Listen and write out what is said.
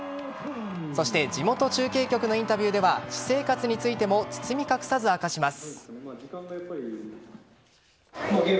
そして地元中継局のインタビューでは私生活についても包み隠さず明かします。